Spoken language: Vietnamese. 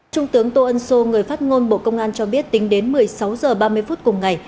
trung tướng tô ân sô người phát ngôn bộ công an cho biết tính đến một mươi sáu h ba mươi phút cùng ngày